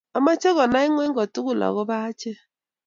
amache konay ngweny tugul agoba ache